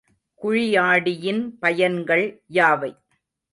குழியாடியின் பயன்கள் யாவை?